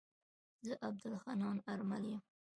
زه عبدالحنان آرمل يم.